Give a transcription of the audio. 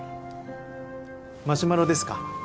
マシュマロですか。